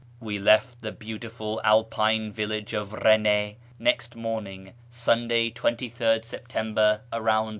We left the beautiful Alpine village of Eene next morning (Sunday, 23rd September) about 7.